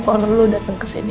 tuhan lo datang kesini